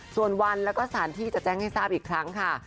ส่วนวันแล้วก็สถานที่จะแจ้งให้ทราบอีกครั้งค่ะ